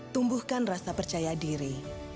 tumbuhkan rasa percaya diri